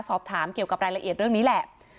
สอบถามเกี่ยวกับรายละเอียดเรื่องนี้แหละ